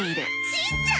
しんちゃん！？